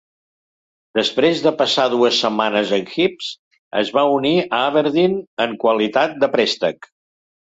Després de passar dues setmanes en Hibs, es va unir a l'Aberdeen en qualitat de préstec.